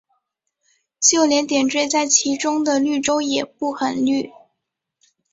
就连点缀在其中的绿洲也不很绿。